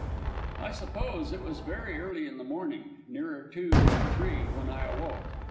I suppose it was very early in the morning nearer two than three when I awoke.